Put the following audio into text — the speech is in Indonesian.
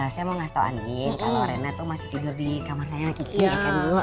saya mau kasih tahu andien kalau rena itu masih tidur di kamar saya dengan kiki ya kan bu